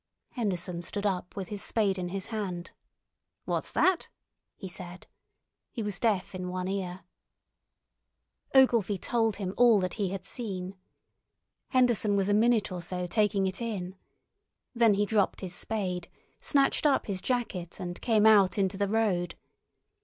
Henderson stood up with his spade in his hand. "What's that?" he said. He was deaf in one ear. Ogilvy told him all that he had seen. Henderson was a minute or so taking it in. Then he dropped his spade, snatched up his jacket, and came out into the road.